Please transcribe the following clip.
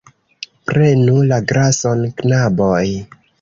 Prenu la glason, knaboj!